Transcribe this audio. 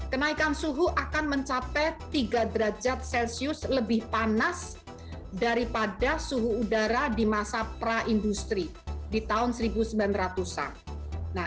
kenaikan suhu akan mencapai tiga derajat celcius lebih panas daripada suhu udara di masa pra industri di tahun seribu sembilan ratus an